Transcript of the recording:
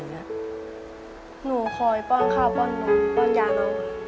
หนูคอยป้อนข้าวป้อนป้อนยาน้อง